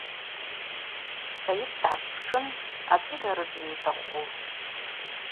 Сайыт дгӏаспшын: – Ачӏвыйа рыцӏа йутахъу?